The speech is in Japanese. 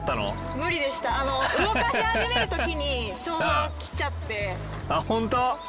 無理でしたあの動かし始めるときにちょうど来ちゃってあホント？